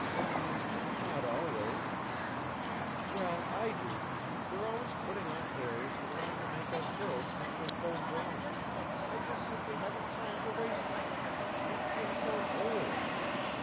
"M m! Not always." "Well, I do! They're always putting on airs and trying to make us girls think they're full grown. I just simply haven't time to waste with them. I feel so _old!"